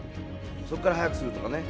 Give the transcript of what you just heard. そっから速くするとかね。